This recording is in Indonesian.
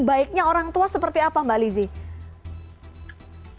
baiknya orang tua seperti apa mbak lizzie